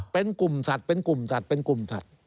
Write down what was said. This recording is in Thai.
เป็นกลุ่มสัตว์เป็นกลุ่มสัตว์เป็นกลุ่มสัตว์